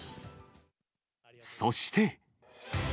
そして。